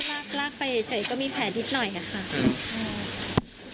ก็ลากไปเฉยก็มีแผลนิดหน่อยครับค่ะ